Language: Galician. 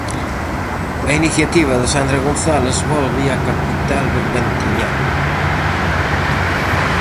A iniciativa de Sandra González volve á capital bergantiñá.